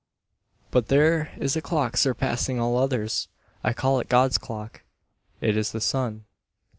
But there is a clock surpassing all others. I call it God's clock. It is the Sun.